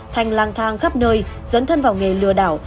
thành lang thang khắp nơi dấn thân vào nghề lừa đảo